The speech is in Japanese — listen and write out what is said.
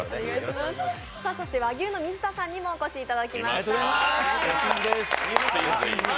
和牛の水田さんにもお越しいただきました。